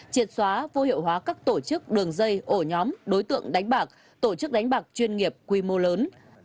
triệt xóa vô hiệu hóa các tổ chức đường dây ổ nhóm đối tượng đánh bạc tổ chức đánh bạc chuyên nghiệp quy mô lớn